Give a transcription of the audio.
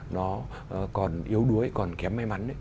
nó còn yếu đuối còn kém may mắn